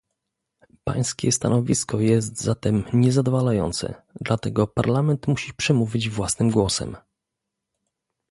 Pańskie stanowisko jest zatem niezadowalające, dlatego Parlament musi przemówić własnym głosem